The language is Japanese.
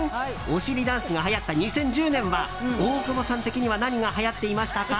お尻ダンスがはやった２０１０年は大久保さん的には何がはやっていましたか？